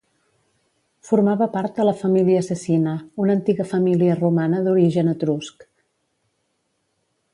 Formava part de la família Cecina, una antiga família romana d'origen etrusc.